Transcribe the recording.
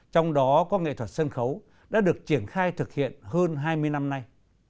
trong đó có nghệ thuật sân khấu đã được triển khai thực hiện hơn hai mươi năm nay